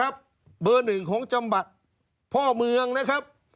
เบอร์๑ของจังหวัดพ่อเมืองนะครับ